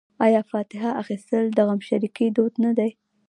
آیا فاتحه اخیستل د غمشریکۍ دود نه دی؟